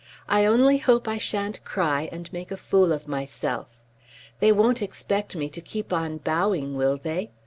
I only hope I shan't cry and make a fool of myself. They won't expect me to keep on bowing, will they?